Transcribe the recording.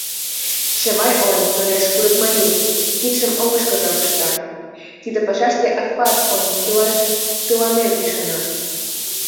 — Чавай он, — манеш курыкмарий, кидшым оҥышкыжо пышта, — тиде пашаште Акпарс он тыланет ӱшана.